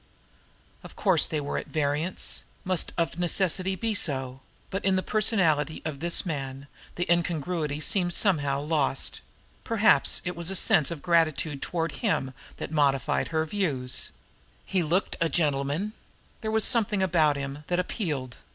Of course they were at variance, must of necessity be so; but in the personality of this man the incongruity seemed somehow lost. Perhaps it was a sense of gratitude toward him that modified her views. He looked a gentleman. There was something about him that appealed.